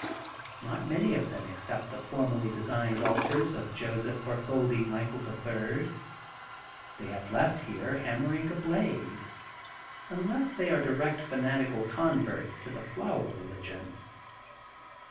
Not many of them accept the formally designed altars of Joseph Bartiioldi Michael, the Third, they have left here hammering a blade, unless they are di rect fanatical converts to the Flower Religion.